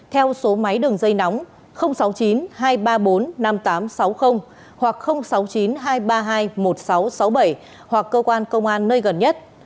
theo số máy đường dây nóng sáu mươi chín hai trăm ba mươi bốn năm nghìn tám trăm sáu mươi hoặc sáu mươi chín hai trăm ba mươi hai một nghìn sáu trăm sáu mươi bảy hoặc cơ quan công an nơi gần nhất